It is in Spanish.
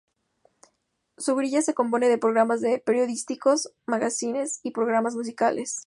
Su grilla se compone de programas de periodísticos, magazines y programas musicales.